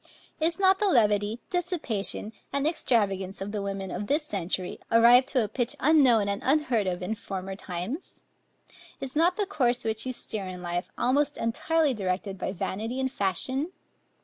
Is not the levity, dissipation, and extravagance of the women of this century arrived to a pitch unknown and unheard of in former times? Is not the course which you steer in life, almost entirely directed by vanity and fashion?